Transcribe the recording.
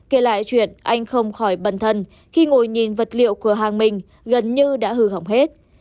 kể lại chuyện anh không khỏi bần thân khi ngồi nhìn vật liệu cửa hàng mình gần như đã hư hỏng hết